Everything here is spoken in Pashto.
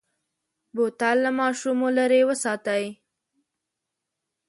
بوتل له ماشومو لرې وساتئ.